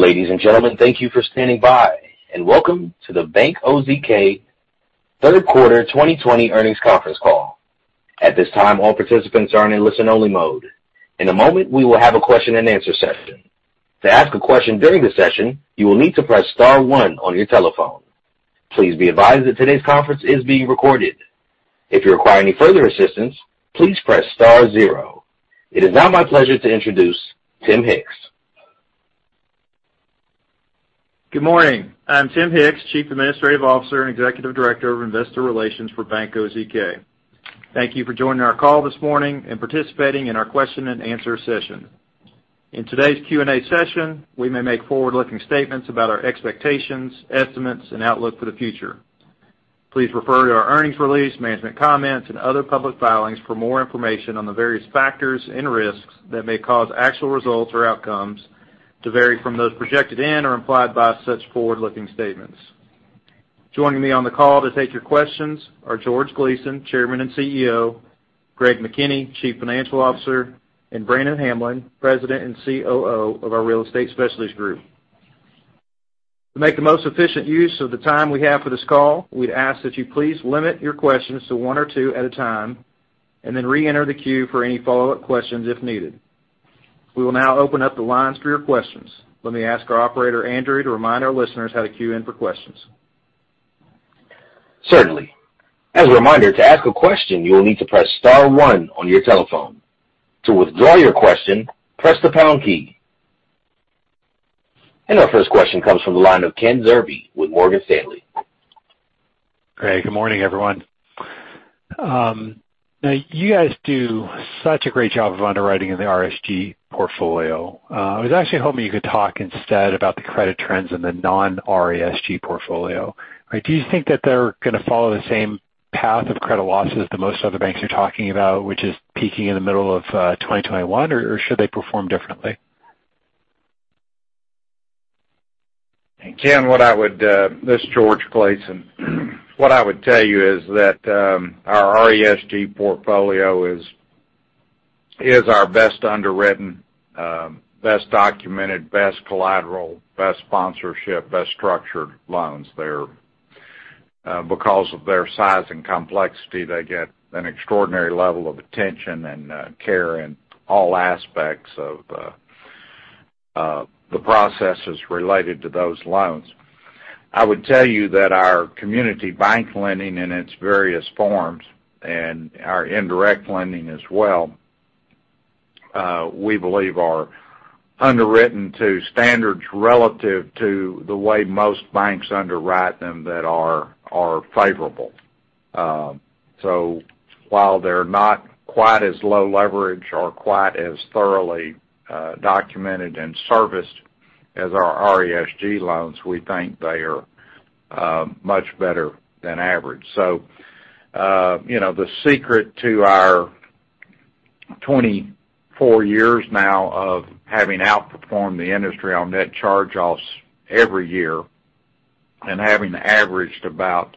Ladies and gentlemen, thank you for standing by, welcome to the Bank OZK Third Quarter 2020 Earnings Conference Call. At this time, all participants are in listen-only mode. In a moment, we will have a question and answer session. To ask a question during the session, you will need to press star one on your telephone. Please be advised that today's conference is being recorded. If you require any further assistance, please press star zero. It is now my pleasure to introduce Tim Hicks. Good morning. I'm Tim Hicks, Chief Administrative Officer and Executive Director of Investor Relations for Bank OZK. Thank you for joining our call this morning and participating in our question and answer session. In today's Q&A session, we may make forward-looking statements about our expectations, estimates, and outlook for the future. Please refer to our earnings release, management comments, and other public filings for more information on the various factors and risks that may cause actual results or outcomes to vary from those projected in or implied by such forward-looking statements. Joining me on the call to take your questions are George Gleason, Chairman and CEO, Greg McKinney, Chief Financial Officer, and Brannon Hamblen, President and COO of our Real Estate Specialties Group. To make the most efficient use of the time we have for this call, we'd ask that you please limit your questions to one or two at a time, and then re-enter the queue for any follow-up questions if needed. We will now open up the lines for your questions. Let me ask our operator, Andrew, to remind our listeners how to queue in for questions. Certainly. As a reminder, to ask a question, you will need to press star one on your telephone. To withdraw your question, press the pound key. Our first question comes from the line of Ken Zerbe with Morgan Stanley. Great. Good morning, everyone. You guys do such a great job of underwriting in the RESG portfolio. I was actually hoping you could talk instead about the credit trends in the non-RESG portfolio. Do you think that they're going to follow the same path of credit losses that most other banks are talking about, which is peaking in the middle of 2021, or should they perform differently? Ken, this is George Gleason. I would tell you is that our RESG portfolio is our best underwritten, best documented, best collateral, best sponsorship, best structured loans there. Because of their size and complexity, they get an extraordinary level of attention and care in all aspects of the processes related to those loans. I would tell you that our community bank lending in its various forms and our indirect lending as well, we believe are underwritten to standards relative to the way most banks underwrite them that are favorable. While they're not quite as low leverage or quite as thoroughly documented and serviced as our RESG loans, we think they are much better than average. The secret to our 24 years now of having outperformed the industry on net charge-offs every year and having averaged about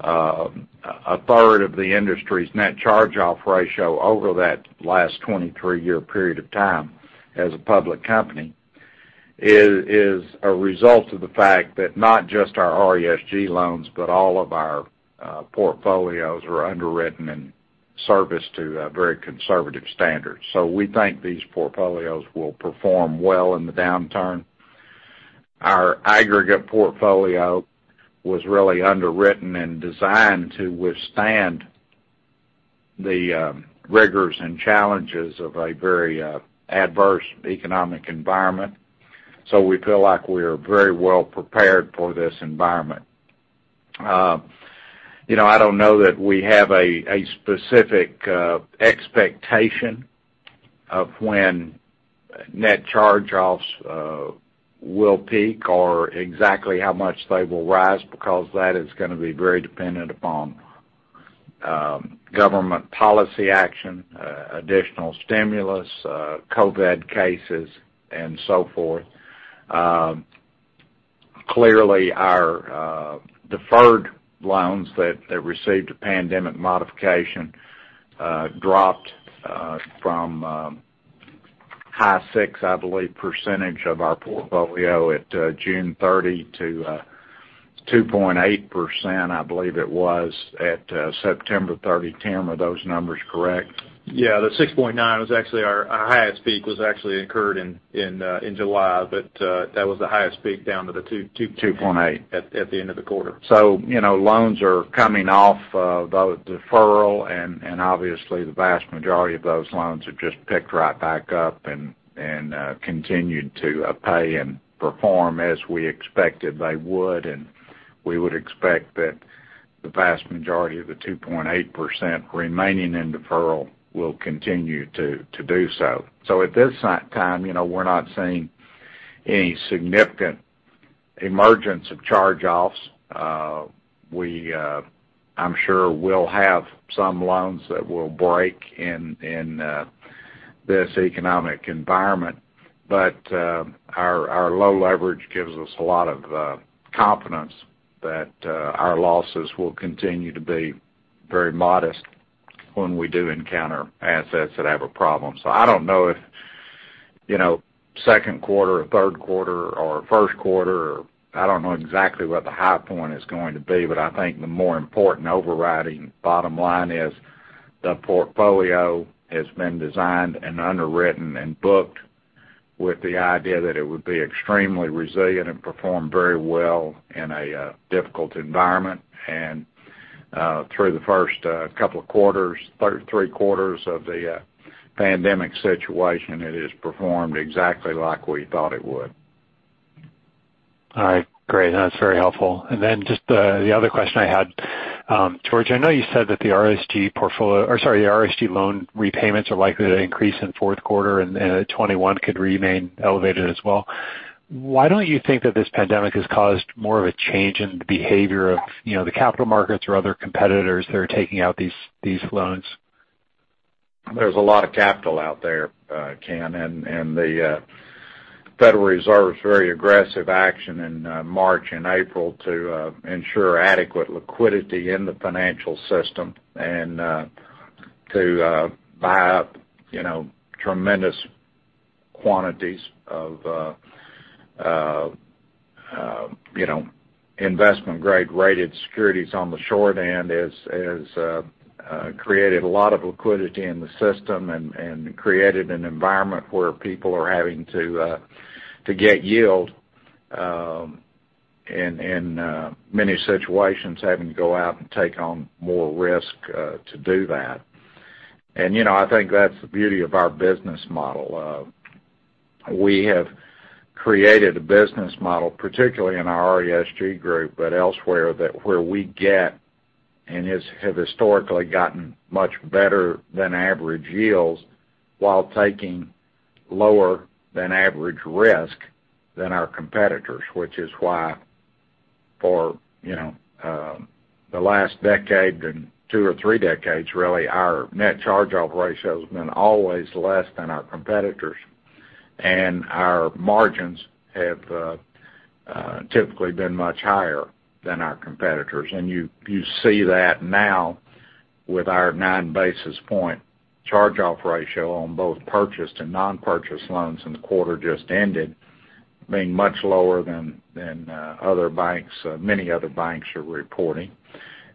a third of the industry's net charge-off ratio over that last 23-year period of time as a public company is a result of the fact that not just our RESG loans, but all of our portfolios are underwritten and serviced to very conservative standards. We think these portfolios will perform well in the downturn. Our aggregate portfolio was really underwritten and designed to withstand the rigors and challenges of a very adverse economic environment. We feel like we're very well prepared for this environment. I don't know that we have a specific expectation of when net charge-offs will peak or exactly how much they will rise because that is going to be very dependent upon government policy action, additional stimulus, COVID cases, and so forth. Clearly, our deferred loans that received a pandemic modification dropped from high six, I believe, percentage of our portfolio at June 30 to 2.8%, I believe it was at 30th September. Tim, are those numbers correct? Yeah. The 6.9 was actually our highest peak was actually incurred in July, but that was the highest peak. 2.8 at the end of the quarter. Loans are coming off of deferral, and obviously, the vast majority of those loans have just picked right back up and continued to pay and perform as we expected they would. We would expect that the vast majority of the 2.8% remaining in deferral will continue to do so. At this time, we're not seeing any significant emergence of charge-offs. I'm sure we'll have some loans that will break in this economic environment. Our low leverage gives us a lot of confidence that our losses will continue to be very modest, when we do encounter assets that have a problem. I don't know if second quarter or third quarter or first quarter, or I don't know exactly what the high point is going to be, but I think the more important overriding bottom line is the portfolio has been designed and underwritten and booked with the idea that it would be extremely resilient and perform very well in a difficult environment. Through the first couple of quarters, three quarters of the pandemic situation, it has performed exactly like we thought it would. All right, great. That's very helpful. Just the other question I had, George, I know you said that the RESG loan repayments are likely to increase in fourth quarter and 2021 could remain elevated as well. Why don't you think that this pandemic has caused more of a change in the behavior of the capital markets or other competitors that are taking out these loans? There's a lot of capital out there, Ken, and the Federal Reserve's very aggressive action in March and April to ensure adequate liquidity in the financial system and to buy up tremendous quantities of investment-grade rated securities on the short end has created a lot of liquidity in the system and created an environment where people are having to get yield, in many situations, having to go out and take on more risk to do that. I think that's the beauty of our business model. We have created a business model, particularly in our RESG group, but elsewhere, that where we get and have historically gotten much better than average yields while taking lower than average risk than our competitors, which is why for the last decade and two or three decades, really, our net charge-off ratio has been always less than our competitors. Our margins have typically been much higher than our competitors. You see that now with our nine basis point charge-off ratio on both purchased and non-purchased loans in the quarter just ended, being much lower than many other banks are reporting.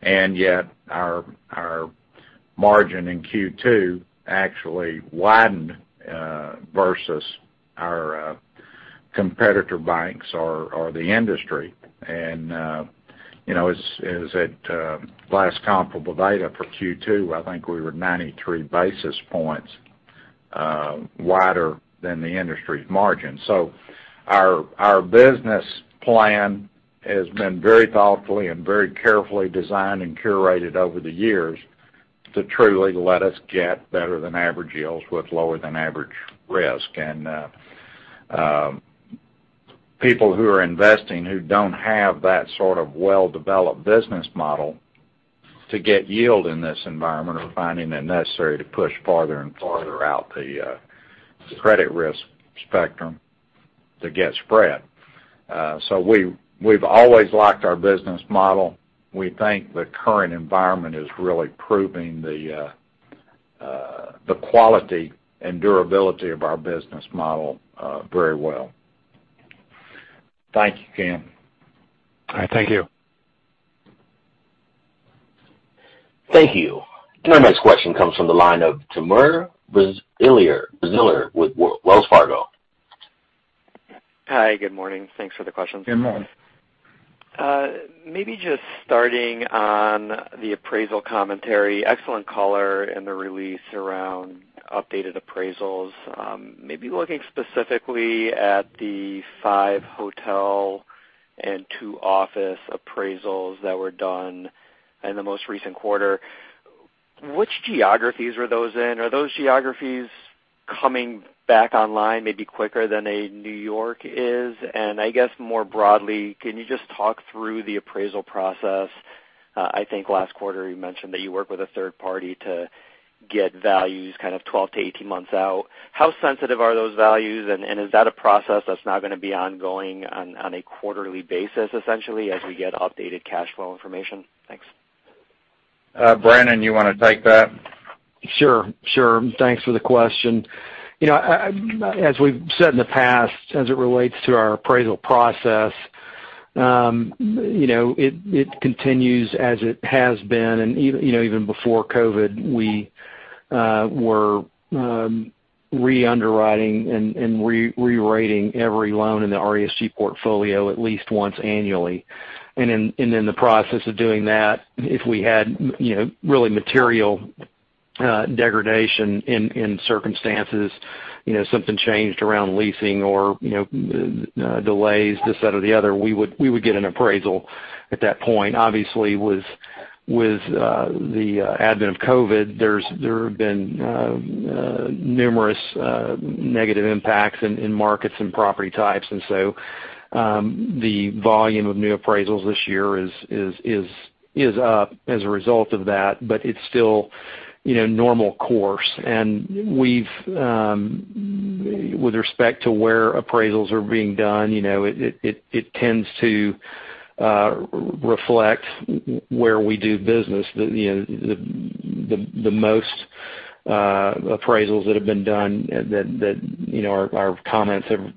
Our margin in Q2 actually widened versus our competitor banks or the industry. At last comparable data for Q2, I think we were 93 basis points wider than the industry's margin. Our business plan has been very thoughtfully and very carefully designed and curated over the years to truly let us get better than average yields with lower than average risk. People who are investing who don't have that sort of well-developed business model to get yield in this environment are finding it necessary to push farther and farther out the credit risk spectrum to get spread. We've always liked our business model. We think the current environment is really proving the quality and durability of our business model very well. Thank you, Ken. All right. Thank you. Thank you. Our next question comes from the line of Timur Braziler with Wells Fargo. Hi, good morning. Thanks for the questions. Good morning. Maybe just starting on the appraisal commentary. Excellent color in the release around updated appraisals. Maybe looking specifically at the five hotel and two office appraisals that were done in the most recent quarter. Which geographies were those in? Are those geographies coming back online maybe quicker than a New York is? I guess more broadly, can you just talk through the appraisal process? I think last quarter you mentioned that you work with a third party to get values kind of 12-18 months out. How sensitive are those values, and is that a process that's now going to be ongoing on a quarterly basis essentially as we get updated cash flow information? Thanks. Brannon, you want to take that? Sure. Thanks for the question. As we've said in the past, as it relates to our appraisal process, it continues as it has been, even before COVID, we were re-underwriting and re-rating every loan in the RESG portfolio at least once annually. In the process of doing that, if we had really material degradation in circumstances, something changed around leasing or delays, this, that or the other, we would get an appraisal at that point. Obviously, with the advent of COVID, there have been numerous negative impacts in markets and property types. The volume of new appraisals this year is up as a result of that, but it's still normal course. With respect to where appraisals are being done, it tends to reflect where we do business. The most appraisals that have been done that our comments have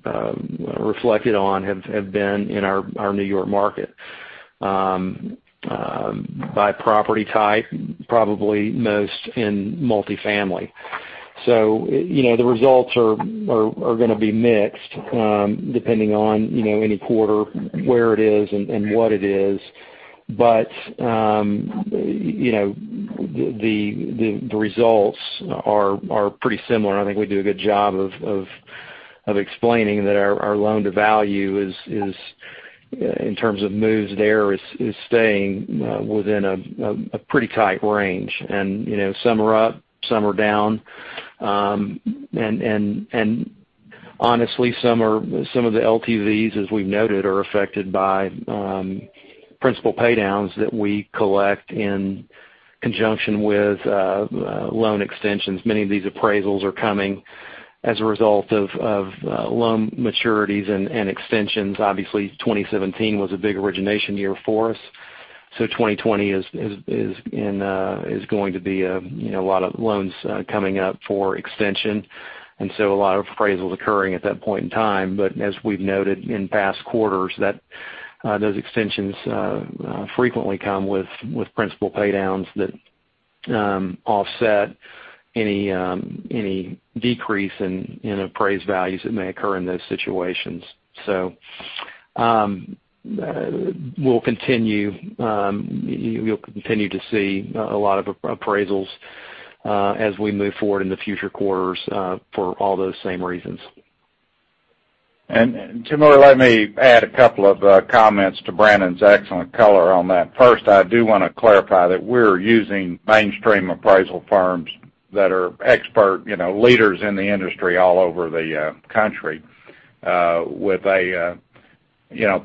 reflected on have been in our N.Y. market. By property type, probably most in multifamily. The results are going to be mixed, depending on any quarter, where it is and what it is. The results are pretty similar, and I think we do a good job of explaining that our loan-to-value is, in terms of moves there, is staying within a pretty tight range. Some are up, some are down. Honestly, some of the LTVs, as we've noted, are affected by principal pay-downs that we collect in conjunction with loan extensions. Many of these appraisals are coming as a result of loan maturities and extensions. Obviously, 2017 was a big origination year for us. 2020 is going to be a lot of loans coming up for extension, a lot of appraisals occurring at that point in time. As we've noted in past quarters, those extensions frequently come with principal pay-downs that offset any decrease in appraised values that may occur in those situations. You'll continue to see a lot of appraisals as we move forward in the future quarters for all those same reasons. Timur, let me add a couple of comments to Brannon's excellent color on that. First, I do want to clarify that we're using mainstream appraisal firms that are expert leaders in the industry all over the country, with a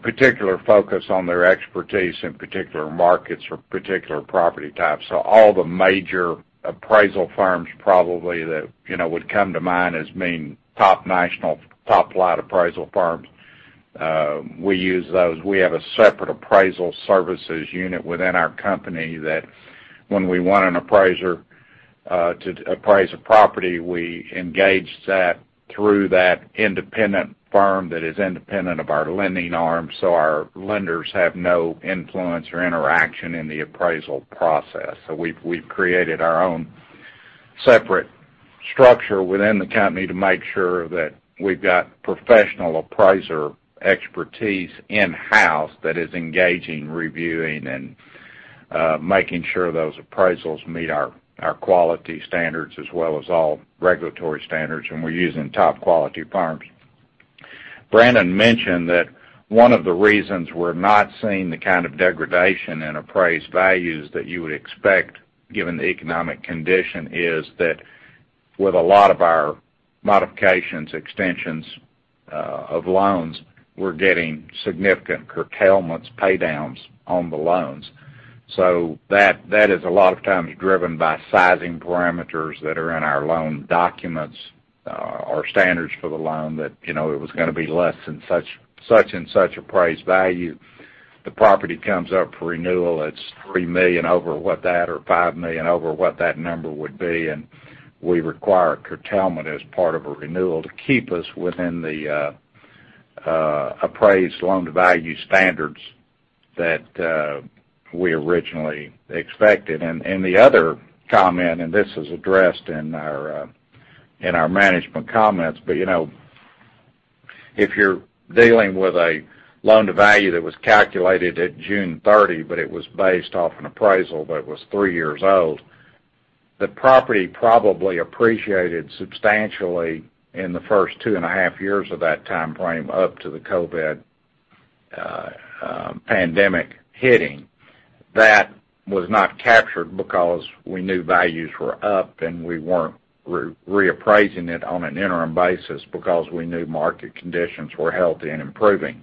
particular focus on their expertise in particular markets or particular property types. All the major appraisal firms probably that would come to mind as being top national, uncertain appraisal firms, we use those. We have a separate appraisal services unit within our company that when we want an appraiser to appraise a property, we engage that through that independent firm that is independent of our lending arm so our lenders have no influence or interaction in the appraisal process. We've created our own separate structure within the company to make sure that we've got professional appraiser expertise in-house that is engaging, reviewing, and making sure those appraisals meet our quality standards as well as all regulatory standards, and we're using top-quality firms. Brannon mentioned that one of the reasons we're not seeing the kind of degradation in appraised values that you would expect given the economic condition is that with a lot of our modifications, extensions of loans, we're getting significant curtailments, pay-downs on the loans. That is a lot of times driven by sizing parameters that are in our loan documents or standards for the loan that it was going to be less than such and such appraised value. The property comes up for renewal, it's $3 million over what that, or $5 million over what that number would be, and we require curtailment as part of a renewal to keep us within the appraised loan-to-value standards that we originally expected. The other comment, and this is addressed in our management comments, but if you're dealing with a loan-to-value that was calculated at 30 June, but it was based off an appraisal that was three years old, the property probably appreciated substantially in the first two and a half years of that timeframe up to the COVID pandemic hitting. That was not captured because we knew values were up, and we weren't reappraising it on an interim basis because we knew market conditions were healthy and improving.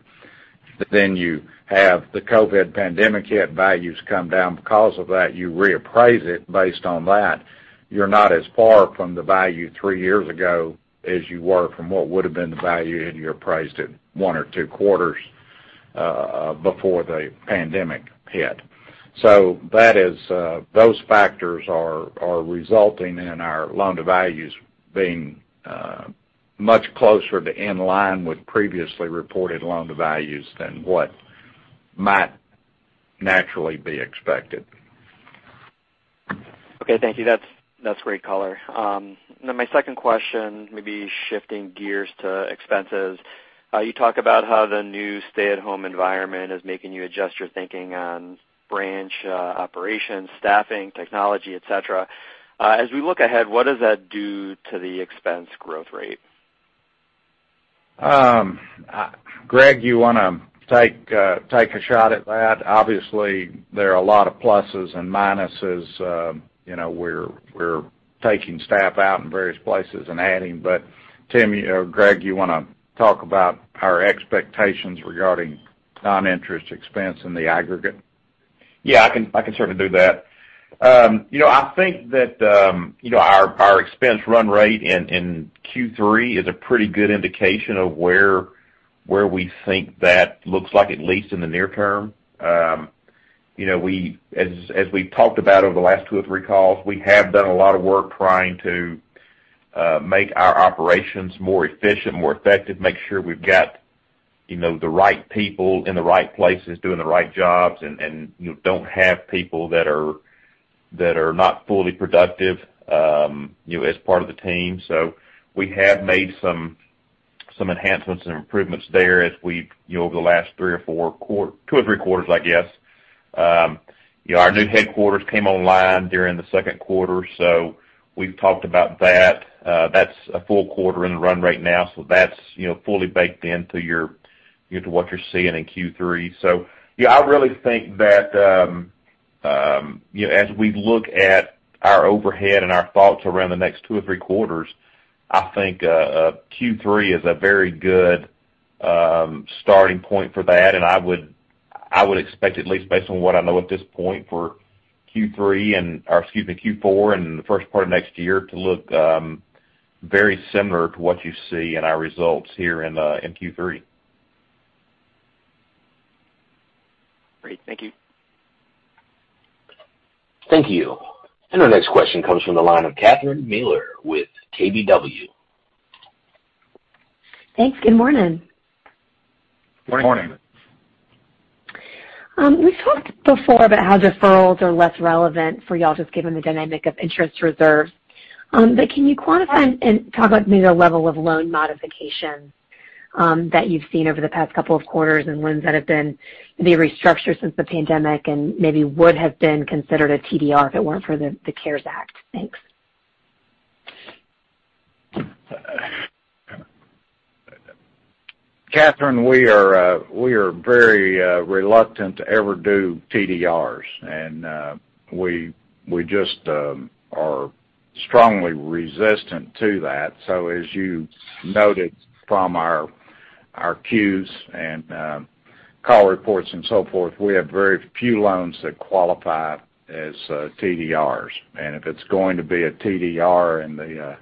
You have the COVID pandemic hit, values come down because of that, you reappraise it based on that. You're not as far from the value three years ago as you were from what would've been the value had you appraised it one or two quarters before the pandemic hit. Those factors are resulting in our loan-to-values being much closer to in line with previously reported loan-to-values than what might naturally be expected. Okay, thank you. That's great color. My second question, maybe shifting gears to expenses. You talk about how the new stay-at-home environment is making you adjust your thinking on branch operations, staffing, technology, et cetera. As we look ahead, what does that do to the expense growth rate? Greg, you want to take a shot at that? Obviously, there are a lot of pluses and minuses. We're taking staff out in various places and adding. Tim, Greg, you want to talk about our expectations regarding non-interest expense in the aggregate? Yeah, I can certainly do that. I think that our expense run rate in Q3 is a pretty good indication of where we think that looks like, at least in the near term. As we've talked about over the last two or three calls, we have done a lot of work trying to make our operations more efficient, more effective, make sure we've got the right people in the right places doing the right jobs, and don't have people that are not fully productive as part of the team. We have made some enhancements and improvements there over the last two or three quarters, I guess. Our new headquarters came online during the second quarter. We've talked about that. That's a full quarter in the run right now. That's fully baked into what you're seeing in Q3. I really think that as we look at our overhead and our thoughts around the next two or three quarters, I think Q3 is a very good starting point for that. I would expect, at least based on what I know at this point for Q4 and the first part of next year, to look very similar to what you see in our results here in Q3. Great. Thank you. Thank you. Our next question comes from the line of Catherine Mealor with KBW. Thanks. Good morning. Good morning. Morning. We've talked before about how deferrals are less relevant for y'all, just given the dynamic of interest reserves. Can you quantify and talk about maybe the level of loan modifications that you've seen over the past couple of quarters, and ones that have been maybe restructured since the pandemic and maybe would have been considered a TDR if it weren't for the CARES Act? Thanks. Catherine, we are very reluctant to ever do TDRs, we just are strongly resistant to that. As you noted from our Qs and call reports and so forth, we have very few loans that qualify as TDRs. If it's going to be a TDR and the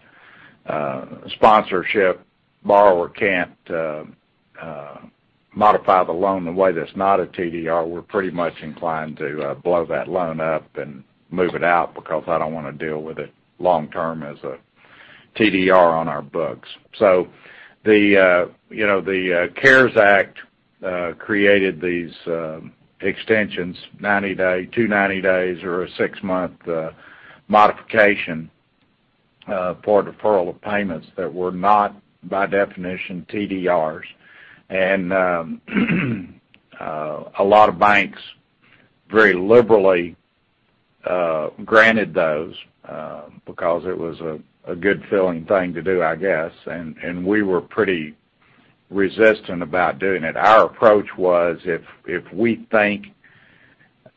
sponsor or borrower can't modify the loan in a way that's not a TDR, we're pretty much inclined to blow that loan up and move it out, because I don't want to deal with it long term as a TDR on our books. The CARES Act created these extensions, two 90 days or a six-month modification for deferral of payments that were not, by definition, TDRs. A lot of banks very liberally granted those because it was a good feeling thing to do, I guess. We were pretty resistant about doing it. Our approach was, if we think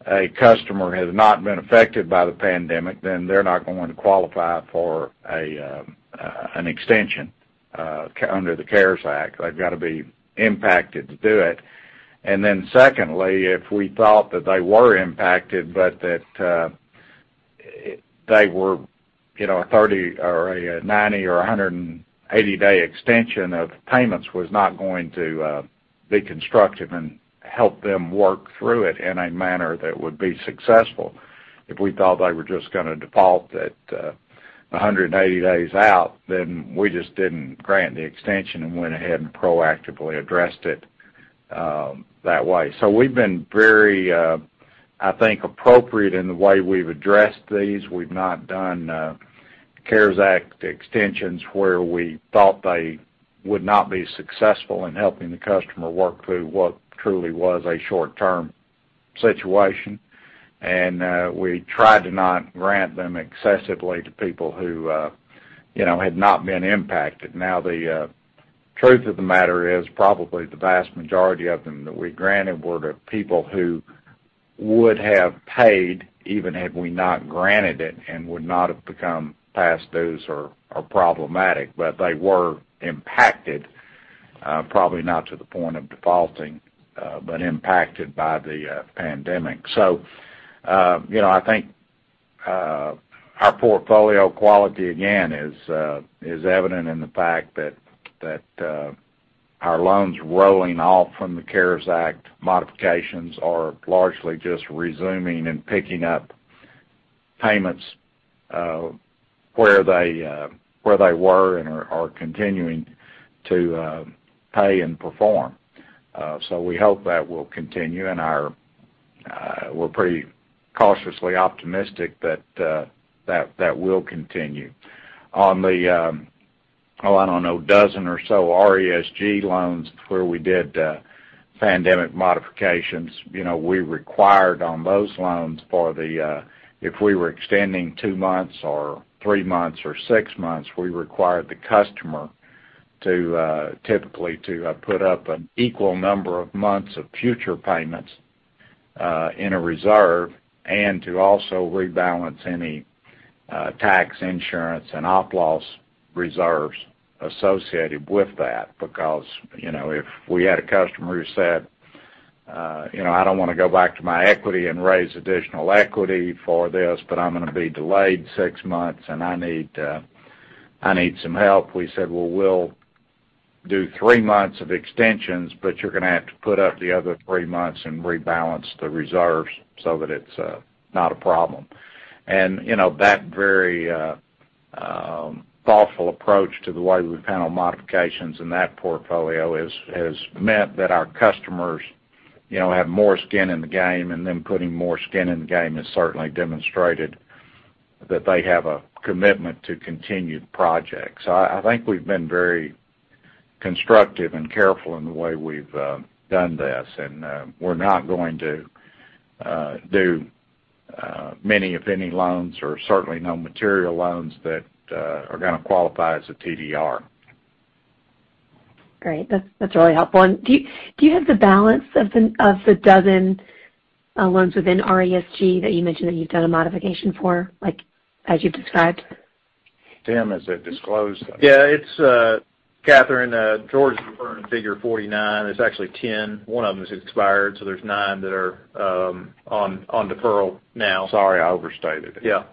a customer has not been affected by the pandemic, they're not going to qualify for an extension under the CARES Act. They've got to be impacted to do it. Secondly, if we thought that they were impacted, but that a 30 or a 90 or 180-day extension of payments was not going to be constructive and help them work through it in a manner that would be successful. If we thought they were just going to default at 180 days out, we just didn't grant the extension and went ahead and proactively addressed it that way. We've been very, I think, appropriate in the way we've addressed these. We've not done CARES Act extensions where we thought they would not be successful in helping the customer work through what truly was a short-term situation. We tried to not grant them excessively to people who had not been impacted. Now, the truth of the matter is probably the vast majority of them that we granted were to people who would have paid even had we not granted it, and would not have become past those or problematic. They were impacted, probably not to the point of defaulting, but impacted by the pandemic. I think our portfolio quality, again, is evident in the fact that our loans rolling off from the CARES Act modifications are largely just resuming and picking up payments where they were and are continuing to pay and perform. We hope that will continue, and we're pretty cautiously optimistic that that will continue. On the dozen or so RESG loans where we did pandemic modifications, if we were extending two months or three months or six months, we required the customer typically to put up an equal number of months of future payments in a reserve. To also rebalance any tax insurance and op loss reserves associated with that. If we had a customer who said, "I don't want to go back to my equity and raise additional equity for this, but I'm going to be delayed six months, and I need some help," we said, "Well, we'll do three months of extensions, but you're going to have to put up the other three months and rebalance the reserves so that it's not a problem." That very thoughtful approach to the way we handle modifications in that portfolio has meant that our customers have more skin in the game, and them putting more skin in the game has certainly demonstrated that they have a commitment to continued projects. I think we've been very constructive and careful in the way we've done this. We're not going to do many, if any, loans, or certainly no material loans that are going to qualify as a TDR. Great. That's really helpful. Do you have the balance of the dozen loans within RESG that you mentioned that you've done a modification for, as you've described? Tim, is it disclosed? Yeah, it's Catherine, George is referring to figure 49. It's actually 10. One of them has expired, so there's nine that are on deferral now. Sorry, I overstated it. Yeah.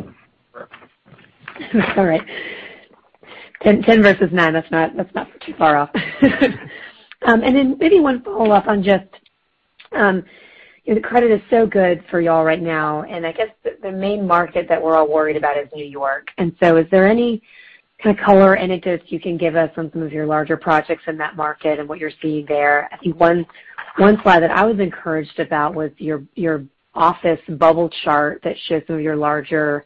It's all right. 10 versus nine, that's not too far off. Maybe one follow-up on just, the credit is so good for you all right now, and I guess the main market that we're all worried about is New York. Is there any kind of color anecdotes you can give us on some of your larger projects in that market and what you're seeing there? I think one slide that I was encouraged about was your office bubble chart that shows some of your larger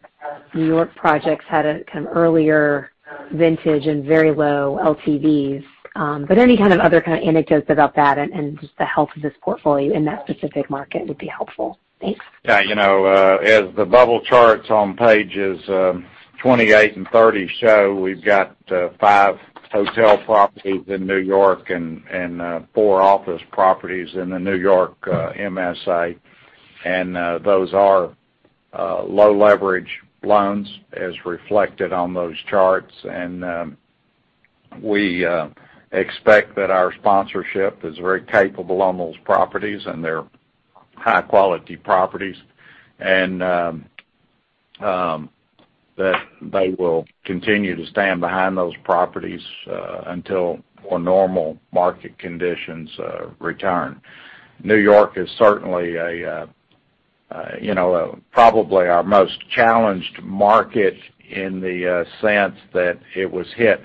New York projects had a kind of earlier vintage and very low LTVs. Any kind of other kind of anecdotes about that and just the health of this portfolio in that specific market would be helpful. Thanks. As the bubble charts on pages 28 and 30 show, we've got five hotel properties in New York and four office properties in the New York MSA. Those are low-leverage loans as reflected on those charts. We expect that our sponsorship is very capable on those properties, and they're high-quality properties. They will continue to stand behind those properties until more normal market conditions return. New York is certainly probably our most challenged market in the sense that it was hit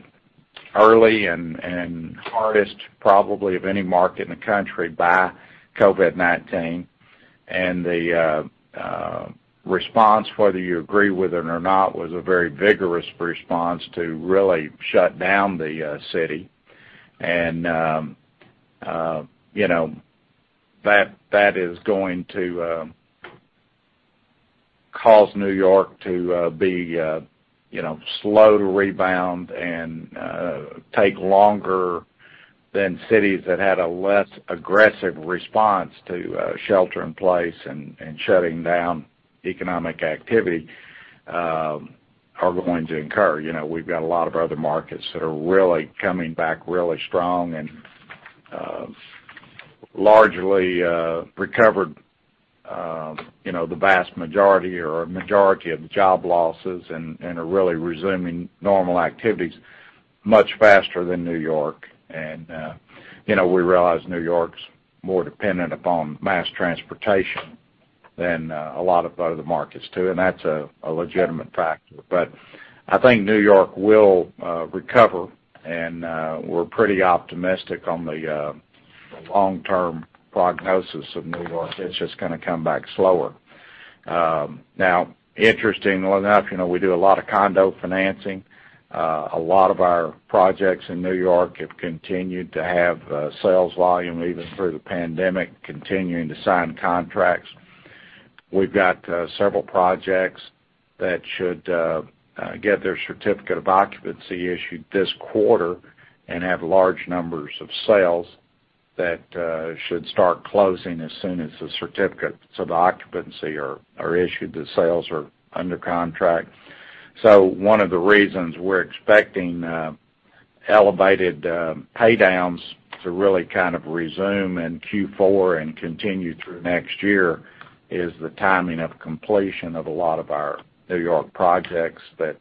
early and hardest probably of any market in the country by COVID-19. The response, whether you agree with it or not, was a very vigorous response to really shut down the city. That is going to cause New York to be slow to rebound and take longer than cities that had a less aggressive response to shelter in place and shutting down economic activity, are going to incur. We've got a lot of other markets that are really coming back really strong and largely recovered the vast majority or majority of the job losses and are really resuming normal activities much faster than New York. We realize New York's more dependent upon mass transportation than a lot of other markets, too, and that's a legitimate factor. I think New York will recover, and we're pretty optimistic on the long-term prognosis of New York. It's just going to come back slower. Interestingly enough, we do a lot of condo financing. A lot of our projects in New York have continued to have sales volume, even through the pandemic, continuing to sign contracts. We've got several projects that should get their certificate of occupancy issued this quarter and have large numbers of sales that should start closing as soon as the certificates of occupancy are issued. The sales are under contract. One of the reasons we're expecting elevated pay-downs to really kind of resume in Q4 and continue through next year is the timing of completion of a lot of our New York projects that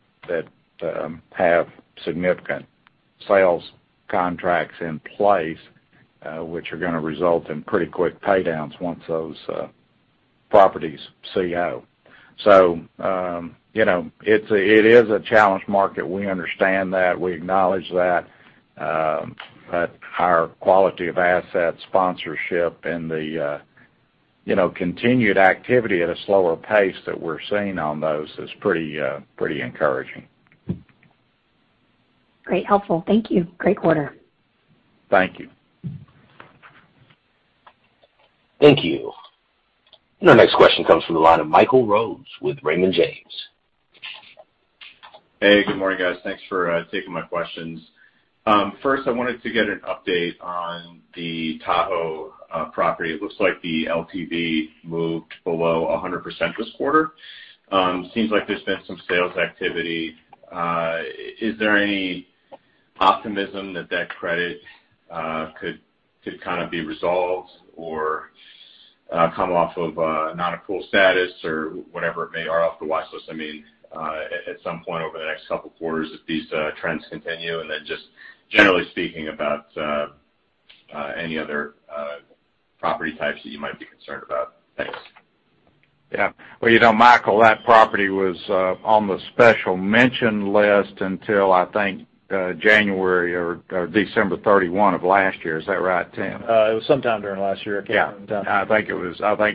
have significant sales contracts in place, which are going to result in pretty quick pay-downs once those properties CO. It is a challenged market. We understand that. We acknowledge that. Our quality of asset sponsorship and the continued activity at a slower pace that we're seeing on those is pretty encouraging. Great, helpful. Thank you. Great quarter. Thank you. Thank you. Our next question comes from the line of Michael Rose with Raymond James. Hey, good morning, guys. Thanks for taking my questions. I wanted to get an update on the Tahoe property. It looks like the LTV moved below 100% this quarter. Seems like there's been some sales activity. Is there any optimism that credit could be resolved or come off of non-accrual status or whatever it may, or off the watch list, I mean, at some point over the next couple of quarters if these trends continue? Just generally speaking about any other property types that you might be concerned about. Thanks. Yeah. Well, Michael, that property was on the special mention list until I think January or 31 December of last year. Is that right, Tim? It was sometime during last year. I think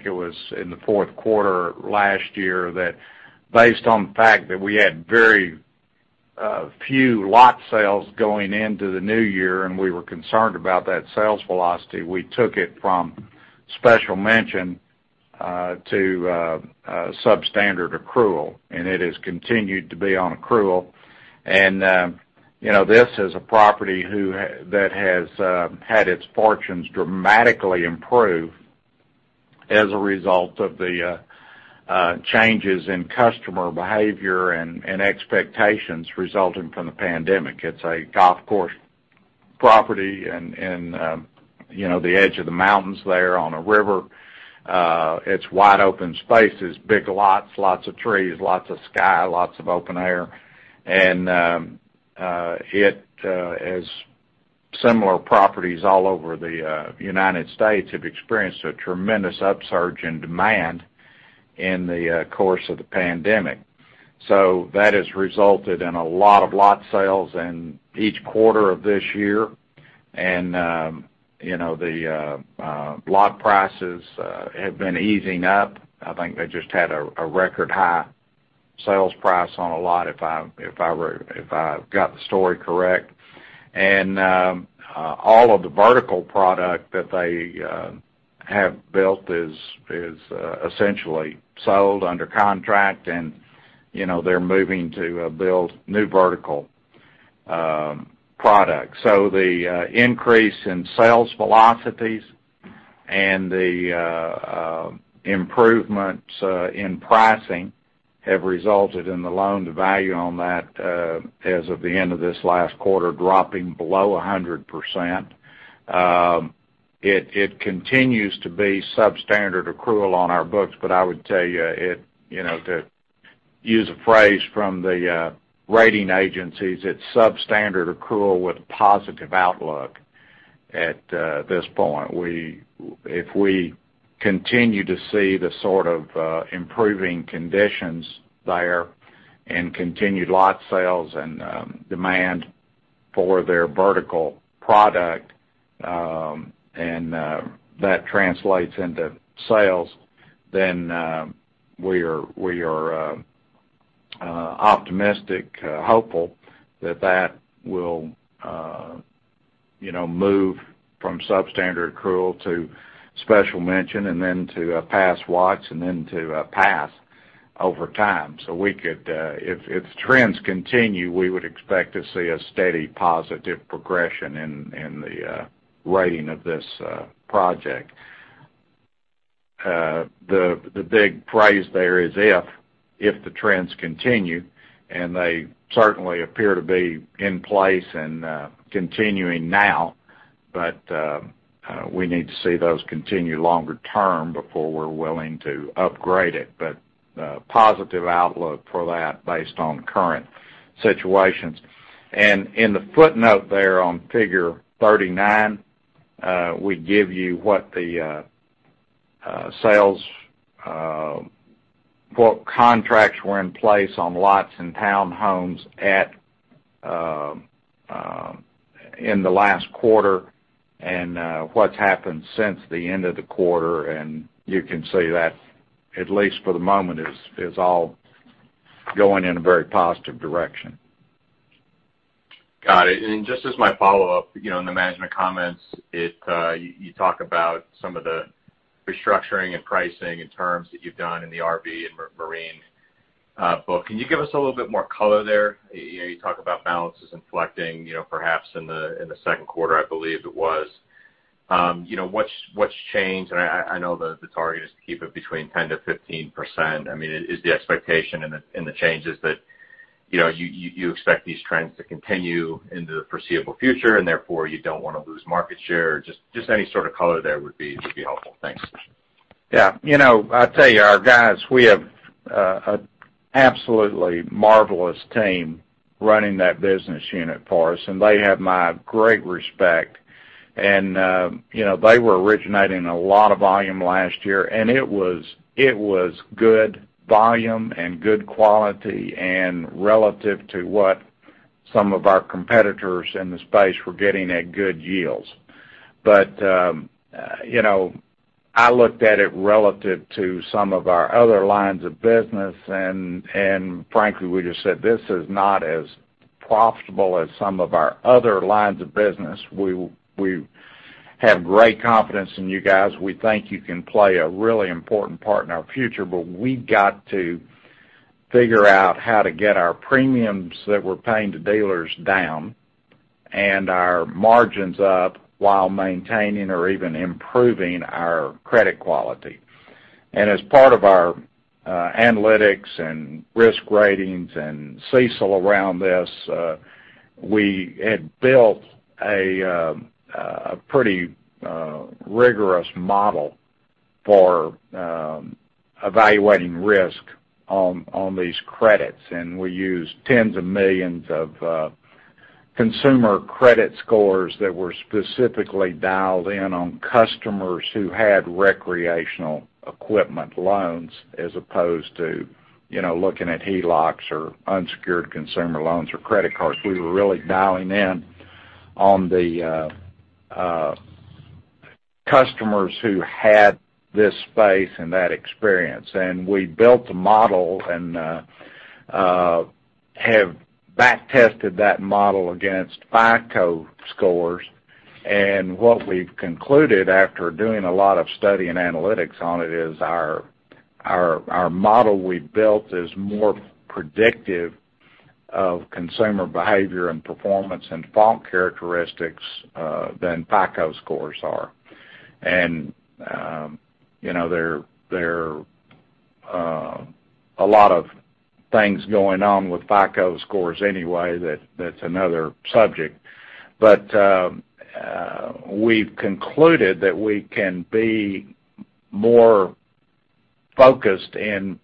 it was in the fourth quarter last year that based on the fact that we had very few lot sales going into the new year, and we were concerned about that sales velocity, we took it from special mention to substandard accrual, and it has continued to be on accrual. This is a property that has had its fortunes dramatically improve as a result of the changes in customer behavior and expectations resulting from the pandemic. It's a golf course property in the edge of the mountains there on a river. It's wide open spaces, big lots of trees, lots of sky, lots of open air. As similar properties all over the U.S. have experienced a tremendous upsurge in demand in the course of the pandemic. That has resulted in a lot of lot sales in each quarter of this year. The lot prices have been edging up. I think they just had a record high sales price on a lot, if I've got the story correct. All of the vertical product that they have built is essentially sold under contract, and they're moving to build new vertical products. The increase in sales velocities and the improvements in pricing have resulted in the loan to value on that as of the end of this last quarter dropping below 100%. It continues to be substandard accrual on our books, but I would tell you, to use a phrase from the rating agencies, it's substandard accrual with a positive outlook at this point. If we continue to see the sort of improving conditions there and continued lot sales and demand for their vertical product, and that translates into sales, then we are optimistic, hopeful that will move from substandard accrual to special mention and then to a pass watch and then to a pass over time. If trends continue, we would expect to see a steady positive progression in the rating of this project. The big phrase there is if the trends continue, and they certainly appear to be in place and continuing now, but we need to see those continue longer term before we're willing to upgrade it. A positive outlook for that based on current situations. In the footnote there on figure 39, we give you what contracts were in place on lots and townhomes in the last quarter and what's happened since the end of the quarter, and you can see that, at least for the moment, is all going in a very positive direction. Got it. Just as my follow-up, in the management comments, you talk about some of the restructuring and pricing and terms that you've done in the RV and marine book. Can you give us a little bit more color there? You talk about balances inflecting perhaps in the second quarter, I believe it was. What's changed? I know the target is to keep it between 10%-15%. Is the expectation in the changes that you expect these trends to continue into the foreseeable future and therefore you don't want to lose market share? Just any sort of color there would be helpful. Thanks. Yeah. I'll tell you, our guys, we have an absolutely marvelous team running that business unit for us, and they have my great respect. They were originating a lot of volume last year, and it was good volume and good quality and relative to what some of our competitors in the space were getting at good yields. I looked at it relative to some of our other lines of business, and frankly, we just said, "This is not as profitable as some of our other lines of business. We have great confidence in you guys. We think you can play a really important part in our future, but we got to figure out how to get our premiums that we're paying to dealers down and our margins up while maintaining or even improving our credit quality. As part of our analytics and risk ratings and CECL around this, we had built a pretty rigorous model for evaluating risk on these credits. We used tens of millions of consumer credit scores that were specifically dialed in on customers who had recreational equipment loans as opposed to looking at HELOCs or unsecured consumer loans or credit cards. We were really dialing in on the customers who had this space and that experience. We built a model and have back-tested that model against FICO scores. What we've concluded after doing a lot of study and analytics on it is our model we built is more predictive of consumer behavior and performance and default characteristics than FICO scores are. There are a lot of things going on with FICO scores anyway. That's another subject. We've concluded that we can be more focused and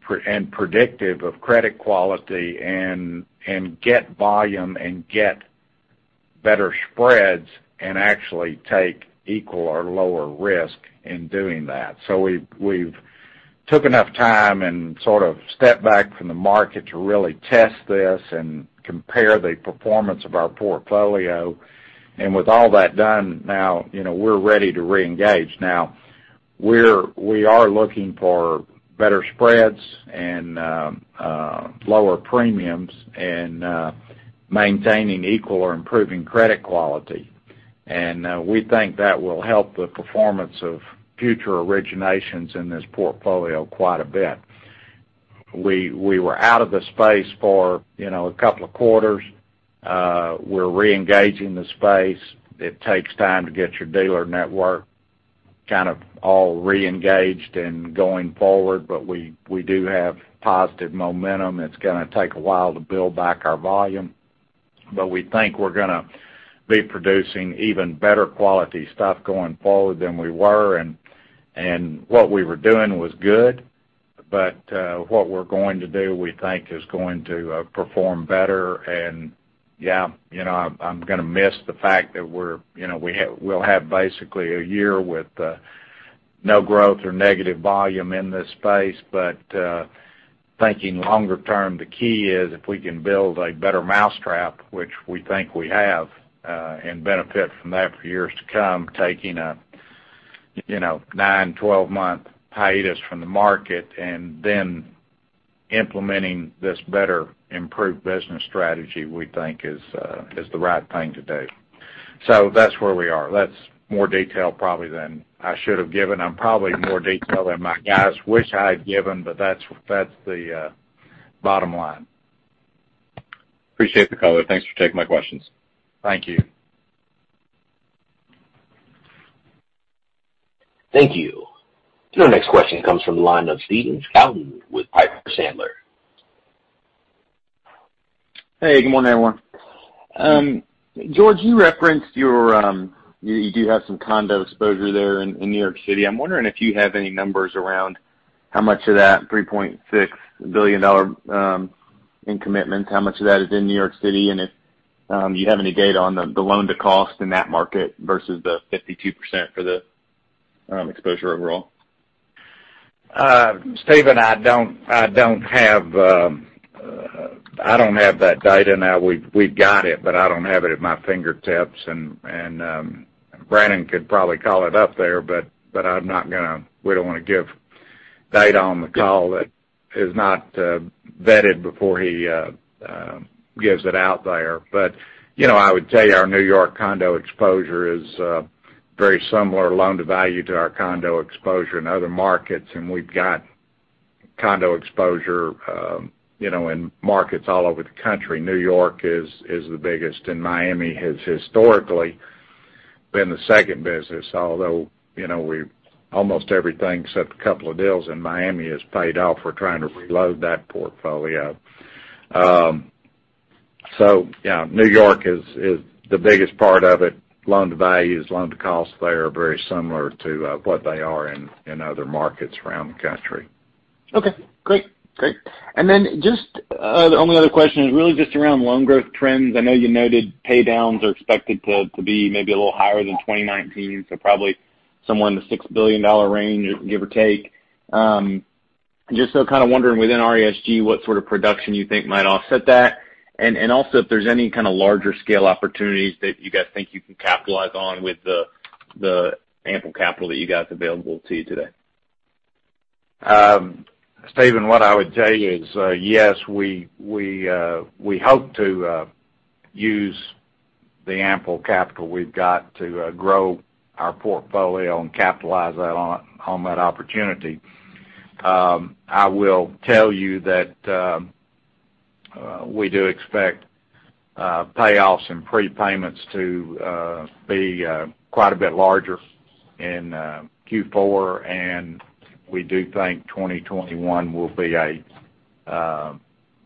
predictive of credit quality and get volume and get better spreads and actually take equal or lower risk in doing that. We've took enough time and sort of stepped back from the market to really test this and compare the performance of our portfolio. With all that done now, we're ready to reengage. Now, we are looking for better spreads and lower premiums and maintaining equal or improving credit quality. We think that will help the performance of future originations in this portfolio quite a bit. We were out of the space for a couple of quarters. We're reengaging the space. It takes time to get your dealer network kind of all reengaged and going forward, but we do have positive momentum. It's going to take a while to build back our volume, but we think we're going to be producing even better quality stuff going forward than we were. What we were doing was good, but what we're going to do, we think, is going to perform better. Yeah, I'm going to miss the fact that we'll have basically one year with no growth or negative volume in this space. Thinking longer term, the key is if we can build a better mousetrap, which we think we have, and benefit from that for years to come, taking a nine, 12-month hiatus from the market and then implementing this better improved business strategy, we think is the right thing to do. That's where we are. That's more detail probably than I should have given. I'm probably more detail than my guys wish I had given, but that's the bottom line. Appreciate the color. Thanks for taking my questions. Thank you. Thank you. Your next question comes from the line of Stephen Scouten with Piper Sandler. Hey, good morning, everyone. George, you referenced you do have some condo exposure there in New York City. I'm wondering if you have any numbers around how much of that $3.6 billion in commitments, how much of that is in New York City, and if you have any data on the loan to cost in that market versus the 52% for the exposure overall. Stephen, I don't have that data now. We've got it, but I don't have it at my fingertips. Brannon could probably call it up there, but we don't want to give data on the call that is not vetted before he gives it out there. I would tell you our New York condo exposure is very similar loan-to-value to our condo exposure in other markets, and we've got condo exposure in markets all over the country. New York is the biggest, and Miami has historically been the second biggest. Almost everything except a couple of deals in Miami has paid off. We're trying to reload that portfolio. Yeah, New York is the biggest part of it. Loan-to-values, loan-to-cost there are very similar to what they are in other markets around the country. Okay, great. Just the only other question is really just around loan growth trends. I know you noted paydowns are expected to be maybe a little higher than 2019, so probably somewhere in the $6 billion range, give or take. Just still kind of wondering within RESG what sort of production you think might offset that, and also if there's any kind of larger scale opportunities that you guys think you can capitalize on with the ample capital that you guys available to you today. Stephen, what I would tell you is, yes, we hope to use the ample capital we've got to grow our portfolio and capitalize on that opportunity. I will tell you that we do expect payoffs and prepayments to be quite a bit larger in Q4. We do think 2021 will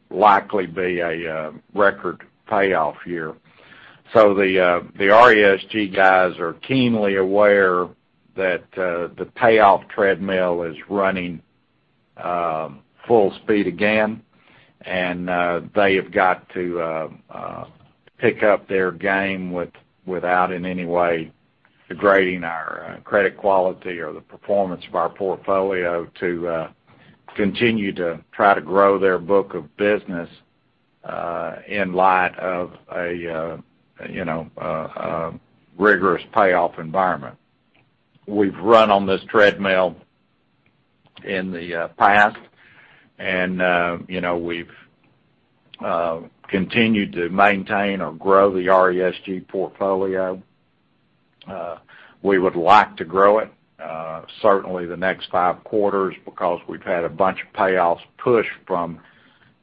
likely be a record payoff year. The RESG guys are keenly aware that the payoff treadmill is running full speed again. They have got to pick up their game without, in any way, degrading our credit quality or the performance of our portfolio to continue to try to grow their book of business in light of a rigorous payoff environment. We've run on this treadmill in the past. We've continued to maintain or grow the RESG portfolio. We would like to grow it, certainly the next five quarters, because we've had a bunch of payoffs push from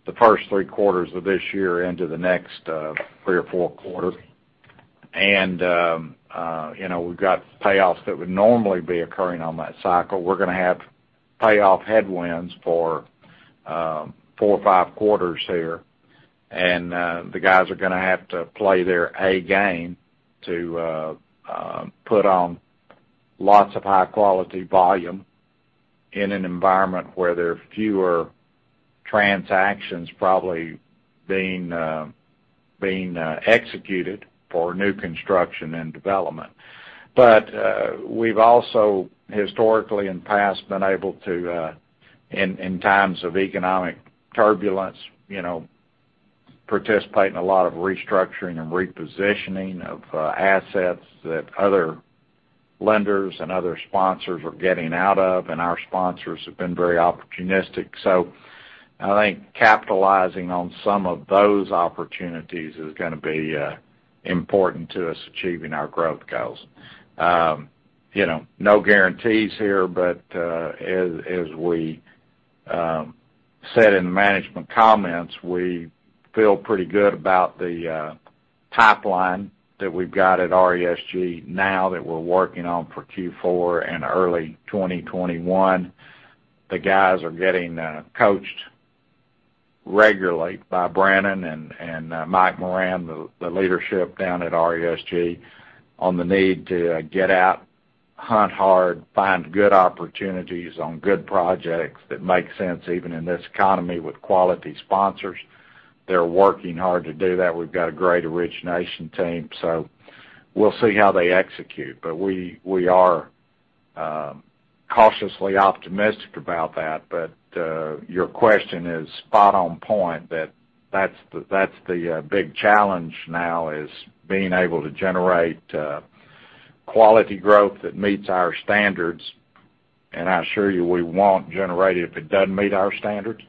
the first three quarters of this year into the next three or four quarters. We've got payoffs that would normally be occurring on that cycle. We're going to have payoff headwinds for four or five quarters here, and the guys are going to have to play their A game to put on lots of high-quality volume in an environment where there are fewer transactions probably being executed for new construction and development. We've also historically, in the past, been able to, in times of economic turbulence, participate in a lot of restructuring and repositioning of assets that other lenders and other sponsors are getting out of, and our sponsors have been very opportunistic. I think capitalizing on some of those opportunities is going to be important to us achieving our growth goals. No guarantees here, but as we said in the management comments, we feel pretty good about the pipeline that we've got at RESG now that we're working on for Q4 and early 2021. The guys are getting coached regularly by Brannon and Mike Moran, the leadership down at RESG, on the need to get out, hunt hard, find good opportunities on good projects that make sense even in this economy with quality sponsors. They're working hard to do that. We've got a great origination team, so we'll see how they execute, but we are cautiously optimistic about that. Your question is spot on point that that's the big challenge now, is being able to generate quality growth that meets our standards. I assure you, we won't generate it if it doesn't meet our standards.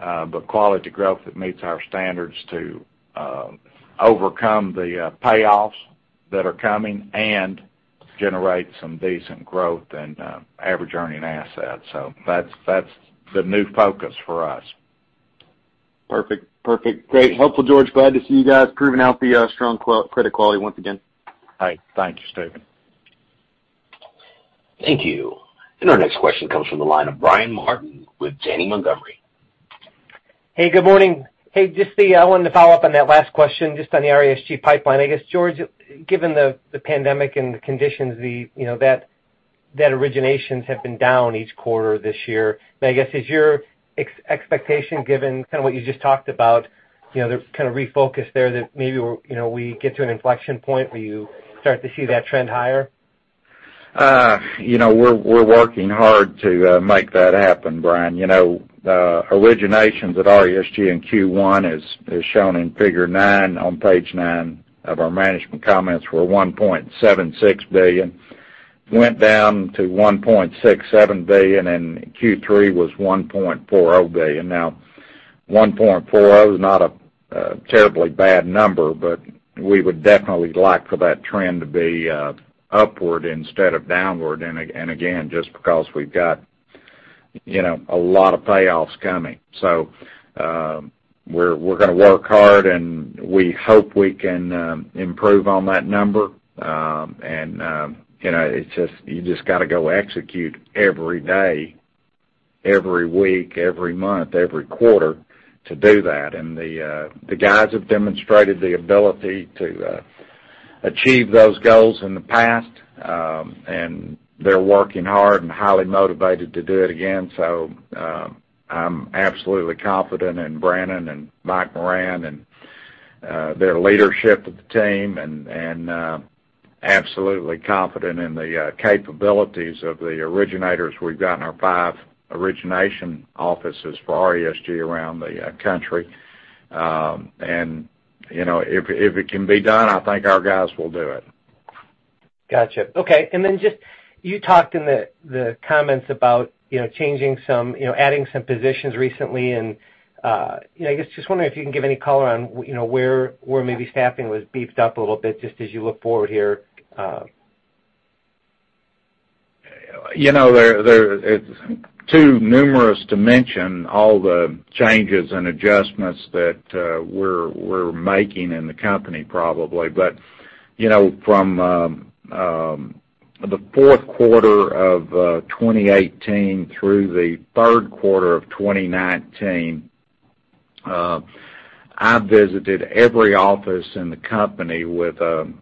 Quality growth that meets our standards to overcome the payoffs that are coming and generate some decent growth and average earning assets. That's the new focus for us. Perfect. Great. Helpful, George. Glad to see you guys proving out the strong credit quality once again. All right. Thank you, Stephen. Thank you. Our next question comes from the line of Brian Martin with Janney Montgomery. Hey, good morning. Hey, I wanted to follow up on that last question, just on the RESG pipeline. I guess, George, given the pandemic and the conditions, that originations have been down each quarter this year. I guess, is your expectation, given kind of what you just talked about, the kind of refocus there that maybe we get to an inflection point where you start to see that trend higher? We're working hard to make that happen, Brian. Originations at RESG in Q1, as shown in Figure 9 on page nine of our management comments, were $1.76 billion. Went down to $1.67 billion, Q3 was $1.40 billion. $1.40 is not a terribly bad number, but we would definitely like for that trend to be upward instead of downward, and again, just because we've got a lot of payoffs coming. We're going to work hard, and we hope we can improve on that number. You just got to go execute every day, every week, every month, every quarter to do that. The guys have demonstrated the ability to achieve those goals in the past, and they're working hard and highly motivated to do it again. I'm absolutely confident in Brannon and Mike Moran and their leadership of the team, and absolutely confident in the capabilities of the originators we've got in our five origination offices for RESG around the country. If it can be done, I think our guys will do it. Got you. Okay. You talked in the comments about adding some positions recently and, I guess, just wondering if you can give any color on where maybe staffing was beefed up a little bit just as you look forward here. It's too numerous to mention all the changes and adjustments that we're making in the company, probably. From the fourth quarter of 2018 through the third quarter of 2019, I visited every office in the company with a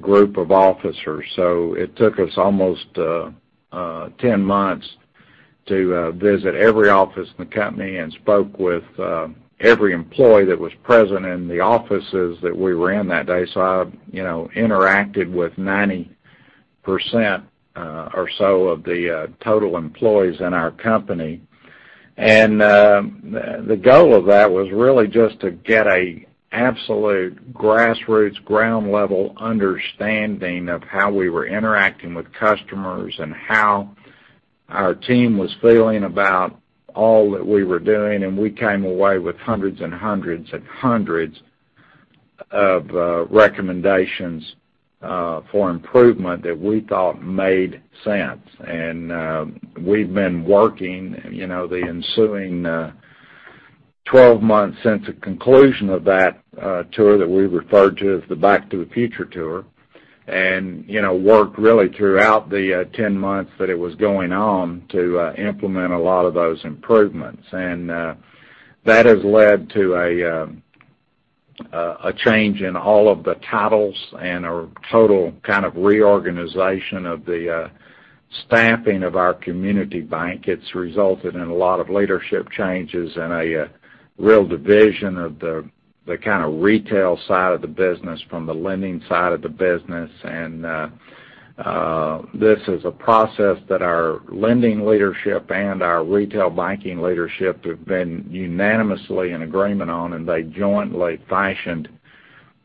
group of officers. It took us almost 10 months to visit every office in the company and spoke with every employee that was present in the offices that we were in that day. I interacted with 90% or so of the total employees in our company. The goal of that was really just to get a absolute grassroots, ground-level understanding of how we were interacting with customers and how our team was feeling about all that we were doing. We came away with hundreds and hundreds and hundreds of recommendations for improvement that we thought made sense. We've been working the ensuing 12 months since the conclusion of that tour that we referred to as the Back to the Future tour, and worked really throughout the 10 months that it was going on to implement a lot of those improvements. That has led to a change in all of the titles and a total kind of reorganization of the staffing of our community bank. It's resulted in a lot of leadership changes and a real division of the kind of retail side of the business from the lending side of the business. This is a process that our lending leadership and our retail banking leadership have been unanimously in agreement on, and they jointly fashioned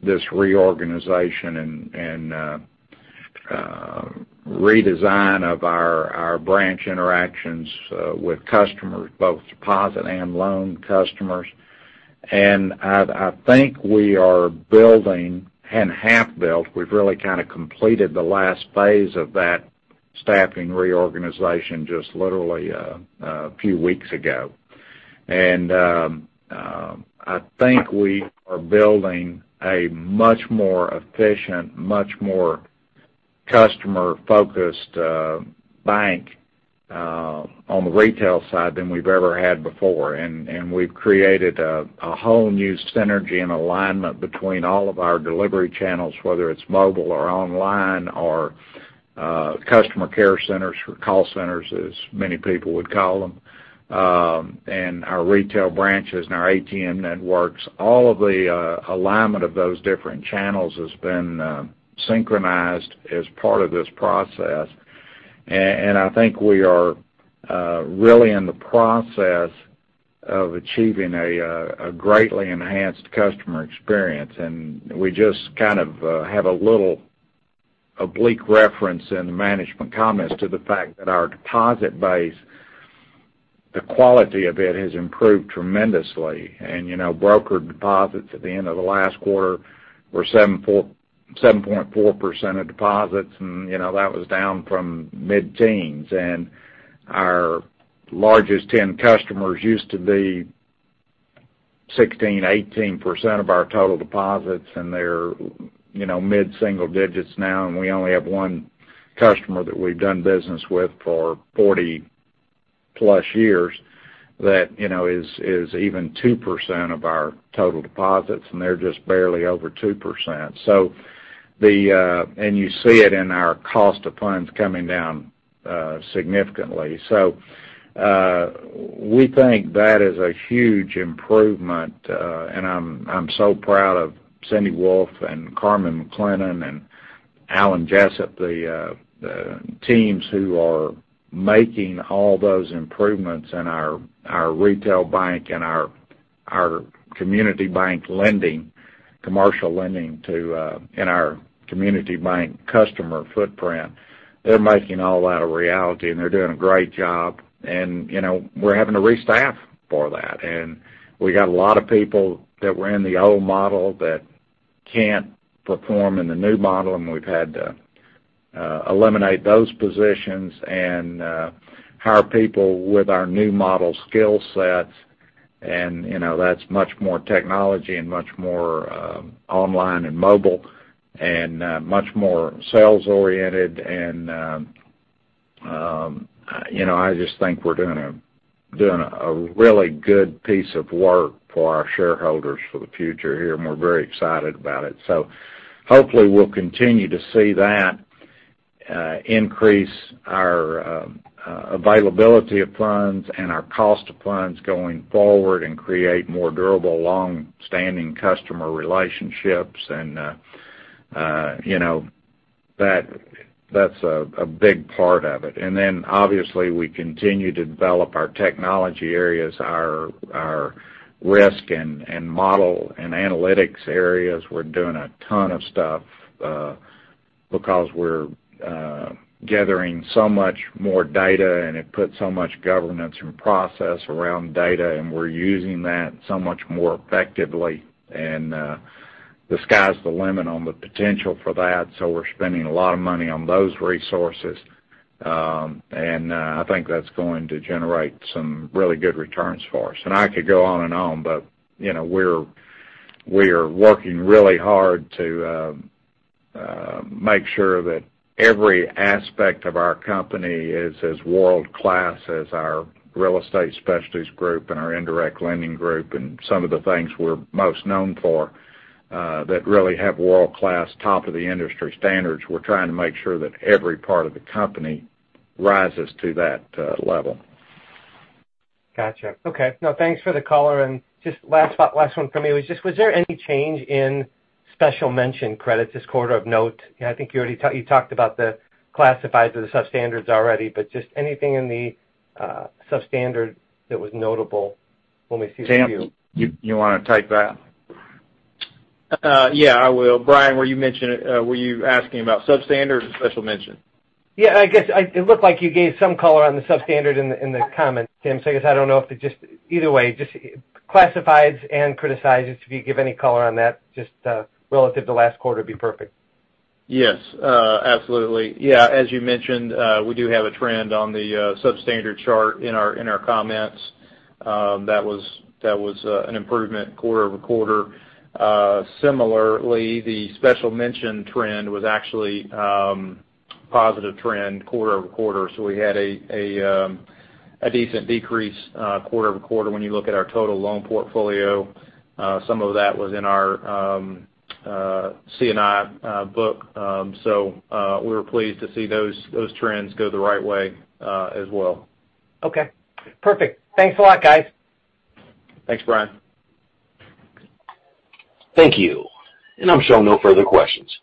this reorganization and redesign of our branch interactions with customers, both deposit and loan customers. I think we are building and have built, we've really kind of completed the last phase of that staffing reorganization just literally a few weeks ago. I think we are building a much more efficient, much more customer-focused bank on the retail side than we've ever had before. We've created a whole new synergy and alignment between all of our delivery channels, whether it's mobile or online, or customer care centers, or call centers, as many people would call them, and our retail branches and our ATM networks. All of the alignment of those different channels has been synchronized as part of this process. I think we are really in the process of achieving a greatly enhanced customer experience. We just kind of have a little oblique reference in the management comments to the fact that our deposit base, the quality of it, has improved tremendously. Brokered deposits at the end of the last quarter were 7.4% of deposits, and that was down from mid-teens. Our largest 10 customers used to be 16%-18% of our total deposits, and they're mid-single digits now, and we only have one customer that we've done business with for 40+ years that is even 2% of our total deposits, and they're just barely over 2%. You see it in our cost of funds coming down significantly. We think that is a huge improvement, and I'm so proud of Cindy Wolfe and Carmen McClennon and Alan Jessup, the teams who are making all those improvements in our retail bank and our community bank lending, commercial lending, and our community bank customer footprint. They're making all that a reality, and they're doing a great job. We're having to restaff for that. We got a lot of people that were in the old model that can't perform in the new model, and we've had to eliminate those positions and hire people with our new model skill sets. That's much more technology and much more online and mobile and much more sales oriented. I just think we're doing a really good piece of work for our shareholders for the future here, and we're very excited about it. Hopefully, we'll continue to see that increase our availability of funds and our cost of funds going forward and create more durable, longstanding customer relationships. That's a big part of it. Obviously, we continue to develop our technology areas, our risk and model and analytics areas. We're doing a ton of stuff because we're gathering so much more data and it puts so much governance and process around data, and we're using that so much more effectively. The sky's the limit on the potential for that, so we're spending a lot of money on those resources. I think that's going to generate some really good returns for us. I could go on and on, we are working really hard to make sure that every aspect of our company is as world-class as our Real Estate Specialties Group and our indirect lending group, and some of the things we're most known for that really have world-class top of the industry standards. We're trying to make sure that every part of the company rises to that level. Got you. Okay. Thanks for the color. Just last one from me, was there any change in special mention credits this quarter of note? I think you talked about the classifieds or the substandards already. Just anything in the substandard that was notable when we see the Q. Tim, you want to take that? Yeah, I will. Brian, were you asking about substandard or special mention? Yeah, I guess it looked like you gave some color on the substandard in the comments, Tim. I guess I don't know if it just Either way, just classifieds and criticized, if you give any color on that, just relative to last quarter, it'd be perfect. Yes. Absolutely. Yeah. As you mentioned, we do have a trend on the substandard chart in our comments. That was an improvement quarter-over-quarter. Similarly, the special mention trend was actually a positive trend quarter-over-quarter. We had a decent decrease quarter-over-quarter when you look at our total loan portfolio. Some of that was in our C&I book. We were pleased to see those trends go the right way as well. Okay. Perfect. Thanks a lot, guys. Thanks, Brian. Thank you. I'm showing no further questions.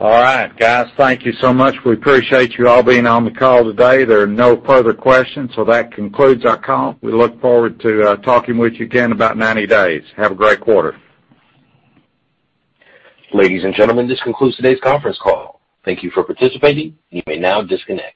All right, guys. Thank you so much. We appreciate you all being on the call today. There are no further questions, so that concludes our call. We look forward to talking with you again in about 90 days. Have a great quarter. Ladies and gentlemen, this concludes today's conference call. Thank you for participating. You may now disconnect.